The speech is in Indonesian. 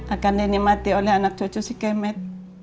akan ini mati oleh anak cucu si kemet